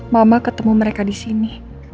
mama ketemu mereka disini